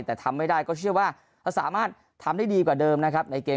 แต่ทำไม่ได้ก็เชื่อว่าจะสามารถทำได้ดีกว่าเดิมนะครับในเกม